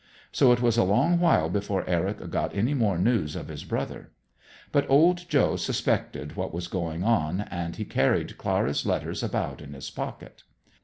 So it was a long while before Eric got any more news of his brother. But old Joe suspected what was going on, and he carried Clara's letters about in his pocket.